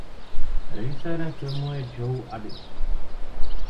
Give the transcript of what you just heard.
Režisérem filmu je Joe Addis.